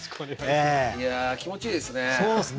いや気持ちいいですね。